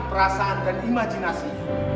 perasaan dan imajinasi